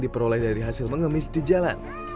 diperoleh dari hasil mengemis di jalan